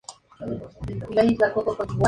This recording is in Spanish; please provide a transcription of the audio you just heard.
Resisten incluso a la cocción y a la congelación.